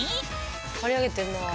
刈り上げてんなあ。